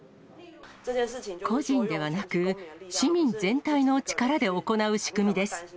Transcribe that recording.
個人ではなく、市民全体の力で行う仕組みです。